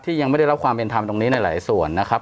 ยังไม่ได้รับความเป็นธรรมตรงนี้ในหลายส่วนนะครับ